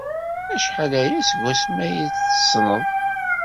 Acḥal aya seg wasmi ay tt-tessneḍ?